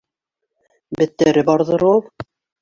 Беттәре барҙыр ул!